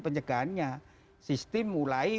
pencegahannya sistem mulai